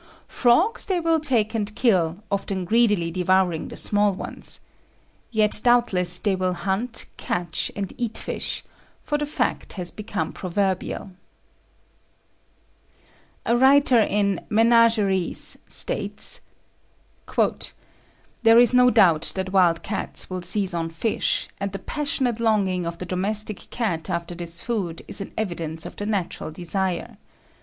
Frogs they will take and kill, often greedily devouring the small ones. Yet doubtless they will hunt, catch, and eat fish, for the fact has become proverbial. [Illustration: WILD CAT, BRITISH MUSEUM.] A writer in "Menageries" states: "There is no doubt that wild cats will seize on fish, and the passionate longing of the domestic cat after this food is an evidence of the natural desire.